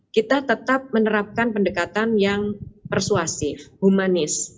kita tetap menerapkan pendekatan yang persuasif humanis